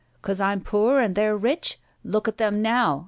" 'Cause I'm poor and they're rich ? Look at them now